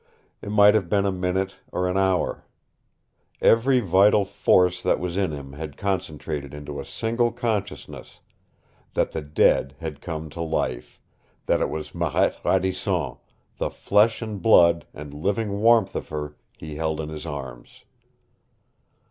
It might have been a minute or an hour. Every vital force that was in him had concentrated into a single consciousness that the dead had come to life, that it was Marette Radisson, the flesh and blood and living warmth of her, he held in his arms.